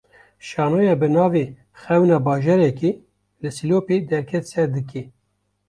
Şanoya bi navê "Xewna Bajarekî", li Silopî derket ser dikê